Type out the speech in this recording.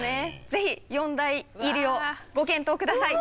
ぜひ四大入りをご検討下さい！